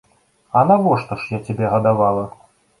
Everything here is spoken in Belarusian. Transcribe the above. А навошта ж я цябе гадавала?